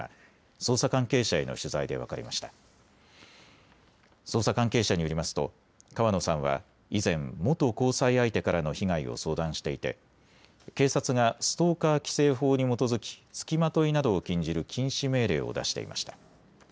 捜査関係者によりますと川野さんは以前、元交際相手からの被害を相談していて警察がストーカー規制法に基づきつきまといなどを禁じる禁止命令を出していました。